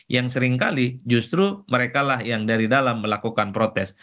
yang seringkali justru mereka lah yang dari dalam melakukan protes